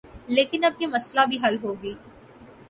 لیکن اب یہ مسئلہ بھی حل ہوگی